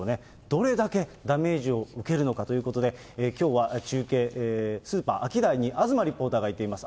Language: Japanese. どれだけダメージを受けるのかということで、きょうは中継、スーパーアキダイに東リポーターが行っています。